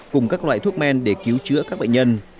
cùng các loại thuốc men để cứu chữa các bệnh nhân